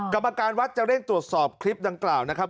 กรรมการวัดจะเร่งตรวจสอบคลิปดังกล่าวนะครับ